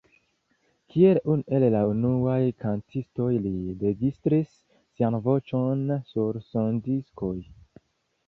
Kiel unu el la unuaj kantistoj li registris sian voĉon sur sondiskoj.